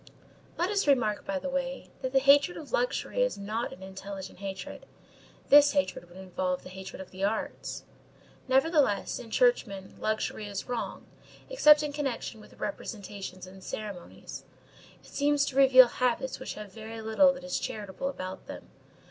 '" Let us remark, by the way, that the hatred of luxury is not an intelligent hatred. This hatred would involve the hatred of the arts. Nevertheless, in churchmen, luxury is wrong, except in connection with representations and ceremonies. It seems to reveal habits which have very little that is charitable about them.